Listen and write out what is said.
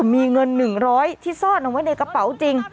มีเงิน๑๐๐ที่ซ่อนเอาไว้ในกระเป๋าจริง